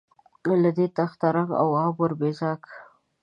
له دې تخته رنګ او آب ور بپراګند.